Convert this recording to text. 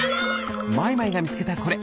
マイマイがみつけたこれ。